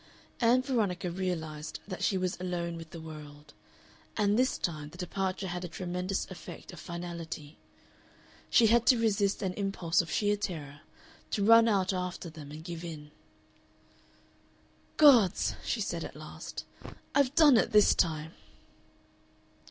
Ann Veronica realized that she was alone with the world. And this time the departure had a tremendous effect of finality. She had to resist an impulse of sheer terror, to run out after them and give in. "Gods," she said, at last, "I've done it this time!"